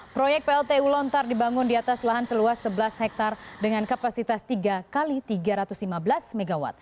proyek pltu lontar dibangun di atas lahan seluas sebelas hektare dengan kapasitas tiga x tiga tiga ratus lima belas mw